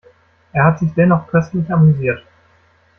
Er hat sich dennoch köstlich amüsiert.